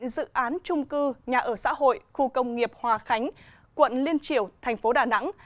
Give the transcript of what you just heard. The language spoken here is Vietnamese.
dự án trung cư nhà ở xã hội khu công nghiệp hòa khánh quận liên triểu thành phố đà nẵng